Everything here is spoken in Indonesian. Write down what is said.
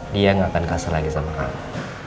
dia gak akan kasar lagi sama kamu